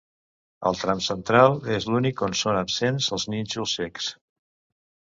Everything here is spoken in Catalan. El tram central és l'únic on són absents els nínxols cecs.